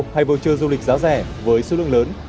hay voucher du lịch giá rẻ với số lượng lớn